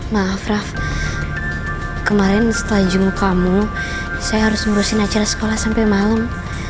maaf rafa kemarin setelah jumlah kamu saya harus ngurusin acara sekolah sampai malem